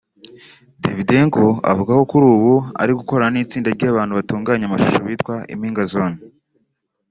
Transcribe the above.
Davydenko avuga ko kuri ubu ari gukorana n’itsinda ry’abantu batunganya amashusho bitwa “Impinga Zone”